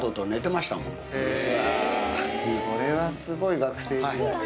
うわそれはすごい学生時代。